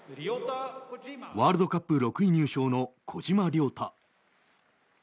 ワールドカップ６位入賞の小島良太。